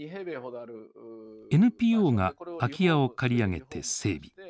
ＮＰＯが空き家を借り上げて整備。